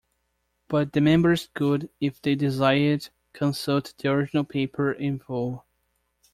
But the members could, if they desired, consult the original paper in full.